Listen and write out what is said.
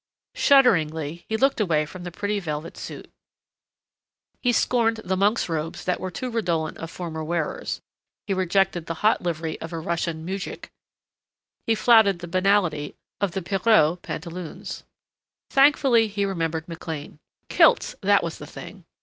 Shudderingly he looked away from the pretty velvet suit; he scorned the monk's robes that were too redolent of former wearers; he rejected the hot livery of a Russian mujik; he flouted the banality of the Pierrot pantaloons. Thankfully he remembered McLean. Kilts, that was the thing.